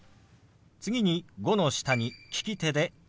次「５」の下に利き手で「月」。